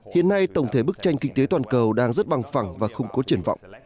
hiện nay tổng thể bức tranh kinh tế toàn cầu đang rất băng phẳng và không có triển vọng